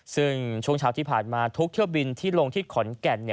ซึ่งช่วงเช้าที่ผ่านมาทุกเที่ยวบินที่ลงที่ขอนแก่น